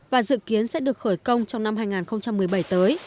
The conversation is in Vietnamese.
và dự kiến sẽ được khởi công trong năm hai nghìn một mươi bảy tới